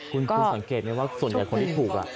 คุณสังเกตไหมว่าส่วนใหญ่คนที่ถูก